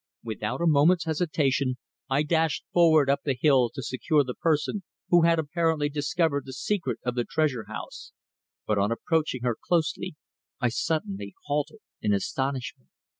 Without a moment's hesitation I dashed forward up the hill to secure the person who had apparently discovered the secret of the Treasure house, but on approaching her closely I suddenly halted in astonishment.